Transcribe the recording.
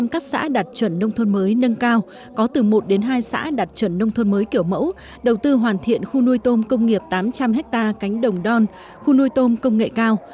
một trăm linh các xã đạt chuẩn nông thôn mới nâng cao có từ một đến hai xã đạt chuẩn nông thôn mới kiểu mẫu đầu tư hoàn thiện khu nuôi tôm công nghiệp tám trăm linh hectare cánh đồng đòn khu nuôi tôm công nghệ cao